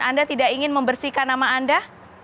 anda tidak ingin membersihkan nama anda